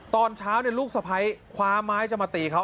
ตอนเช้าลูกสะพ้ายคว้าไม้จะมาตีเขา